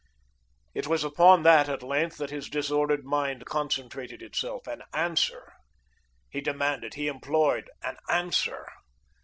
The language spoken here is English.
It was upon that, at length, that his disordered mind concentrated itself, an Answer he demanded, he implored an Answer.